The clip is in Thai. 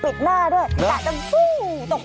กะจะกรี๊ดละไงกะจะกลัวด้วย